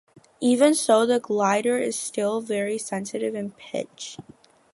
Even so, the glider is still very sensitive in pitch.